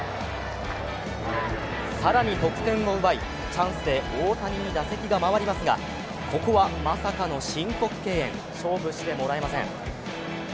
更に得点を奪い、チャンスで大谷に打席が回りますがここはまさかの申告敬遠勝負してもらえません。